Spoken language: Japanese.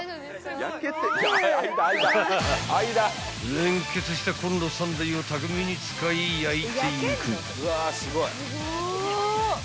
［連結したコンロ３台を巧みに使い焼いていく］